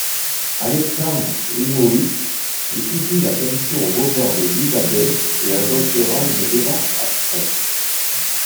Alexandre Heimovits étudie la peinture aux Beaux-arts de Budapest et adoptera une démarche abstraite.